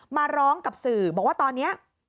มาร้องกับสื่อบอกว่าตอนนี้